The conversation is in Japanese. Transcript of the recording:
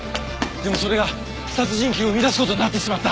でもそれが殺人鬼を生みだすことになってしまった。